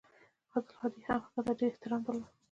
عبدالهادي هم هغه ته ډېر احترام درلود.